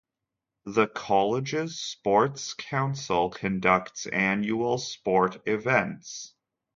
The college's sports council conducts annual sport events.